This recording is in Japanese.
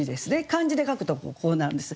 漢字で書くとこうなるんです。